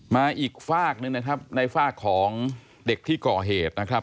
มาอีกฝากหนึ่งนะครับในฝากของเด็กที่ก่อเหตุนะครับ